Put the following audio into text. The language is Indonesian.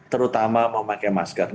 terutama memakai masker